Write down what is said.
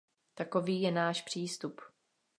Takový je náš přístup.